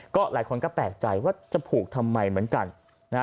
ก็หลายคนก็แปลกใจว่าจะผูกทำไมเหมือนกันนะฮะ